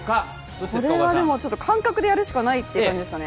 これはでも感覚でやるしかないって感じですね。